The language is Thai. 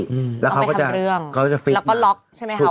อืมแล้วเขาก็จะต้องไปทำเรื่องเขาก็จะแล้วก็ล็อกใช่ไหมคะ